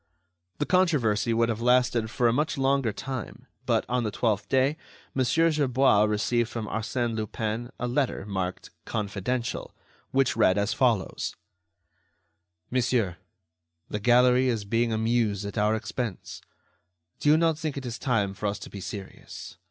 The controversy would have lasted for a much longer time, but, on the twelfth day, Mon. Gerbois received from Arsène Lupin a letter, marked "confidential," which read as follows: "Monsieur, the gallery is being amused at our expense. Do you not think it is time for us to be serious?